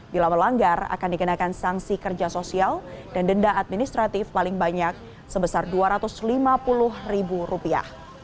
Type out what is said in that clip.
bila melanggar akan dikenakan sanksi kerja sosial dan denda administratif paling banyak sebesar dua ratus lima puluh ribu rupiah